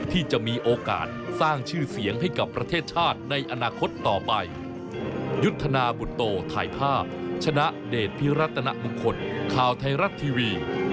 ที่จะมีโอกาสสร้างชื่อเสียงให้กับประเทศชาติในอนาคตต่อไป